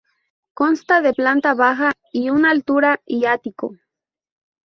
Consta de planta baja y una altura y ático.